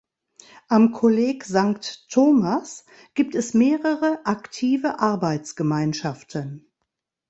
Am Kolleg Sankt Thomas gibt es mehrere aktive Arbeitsgemeinschaften.